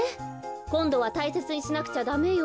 こんどはたいせつにしなくちゃダメよ。